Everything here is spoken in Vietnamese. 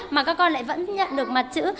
mà các con lại vẫn nhận được mặt chữ